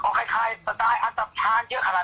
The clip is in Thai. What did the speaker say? แม่ยังคงมั่นใจและก็มีความหวังในการทำงานของเจ้าหน้าที่ตำรวจค่ะ